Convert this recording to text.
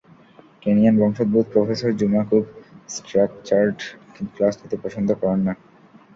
Kenyan বংশোদ্ভূত professor Juma খুব structured class নিতে পছন্দ করেন না।